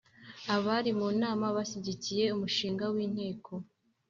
abari mu nama bashyigikiye umushinga w'itegeko.